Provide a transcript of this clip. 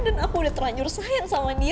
dan aku udah terlanjur sayang sama dia